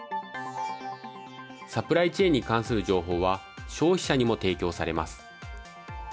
サプライチェーンに関する情報は消費者にも提供されます。